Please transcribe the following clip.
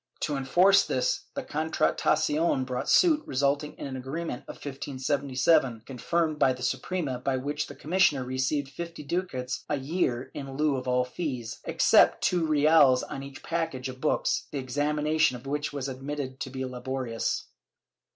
To enforce this the Contra tacion brought suit, resulting in an agreement in 1577, confirmed by the Suprema, by which the commissioner received fifty ducats a year in lieu of all fees, except two reales on each package of books, the examination of which was admitted to be laborious.'